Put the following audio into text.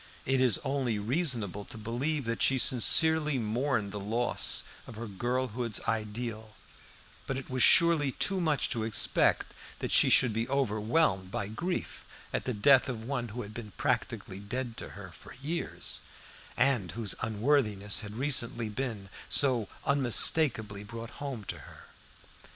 It is only reasonable to believe that she sincerely mourned the loss of her girlhood's ideal, but it was surely too much to expect that she should be overwhelmed by grief at the death of one who had been practically dead to her for years, and whose unworthiness had recently been so unmistakably brought home to her.